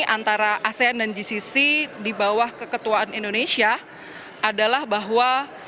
antara asean dan gcc di bawah keketuaan indonesia adalah bahwa